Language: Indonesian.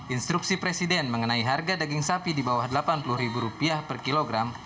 instruksi presiden mengenai harga daging sapi di bawah delapan puluh ribu rupiah per kilogram